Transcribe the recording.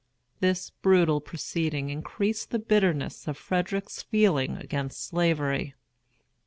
This brutal proceeding increased the bitterness of Frederick's feeling against Slavery.